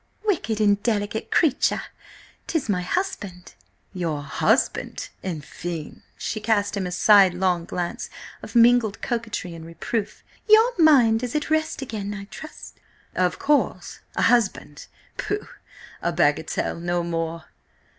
"Wicked, indelicate creature! 'Tis my husband!" "Your husband! Enfin—" She cast him a sidelong glance of mingled coquetry and reproof. "Your mind is at rest again, I trust?" "Of course! A husband? Pooh, a bagatelle, no more!"